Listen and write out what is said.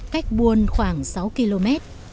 cách buôn khoảng sáu km